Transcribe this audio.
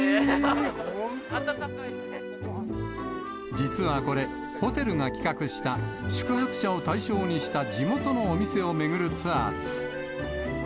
実はこれ、ホテルが企画した、宿泊者を対象にした地元のお店を巡るツアーです。